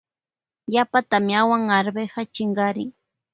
Yapa tamiawan arveja chinkarin.